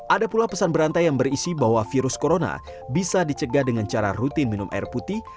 ada pula pesan berantai yang berisi bahwa virus corona bisa dicegah dengan cara rutin minum air putih